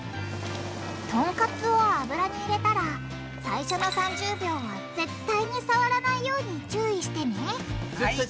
トンカツを油に入れたら最初の３０秒は絶対にさわらないように注意してねはい！